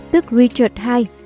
tức richard ii